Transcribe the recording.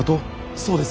そうです。